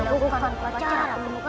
ayuh lakukan percara penukaranmu